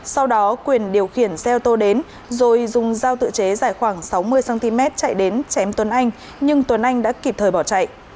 sau đó quyền điều khiển xe ô tô đến rồi dùng dao tự chế dài khoảng sáu mươi cm chạy đến chém tuấn anh nhưng tuấn anh đã kịp thời bỏ chạy